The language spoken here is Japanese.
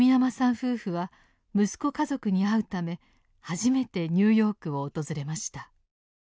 夫婦は息子家族に会うため初めてニューヨークを訪れました。